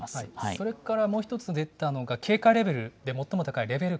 それからもう１つ出ていたのが警戒レベルで最も高いレベル